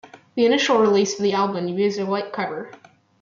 The initial release of the album used a white cover.